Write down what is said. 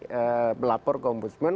saya melapor ke ombudsman